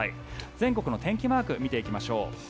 全国の天気マーク見ていきましょう。